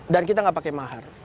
dan kita gak pakai mahar